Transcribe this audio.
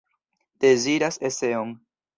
Deziras eseon.